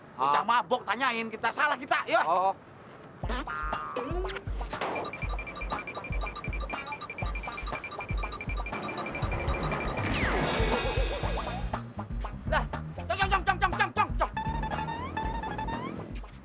ucah mabok tanyain salah kita iya pak